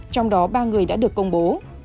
trong đó ba người đã được công bố